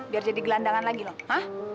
biar jadi gelandangan lagi lah